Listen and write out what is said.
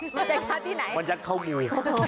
ในทุกคนสักครั้งที่ไหนมันยัดเข้าหู